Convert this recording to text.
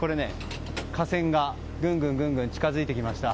架線が、ぐんぐんと近づいてきました。